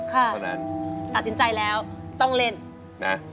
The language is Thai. ตัดสินใจแล้วต้องเล่น